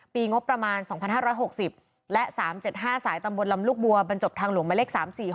ปีงบประมาณ๒๕๖๐และ๓๗๕สายตำบลลำลูกบัวบรรจบทางหลวงหมายเลข๓๔๖